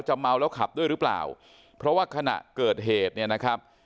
เมาแล้วขับด้วยหรือเปล่าเพราะว่าขณะเกิดเหตุเนี่ยนะครับ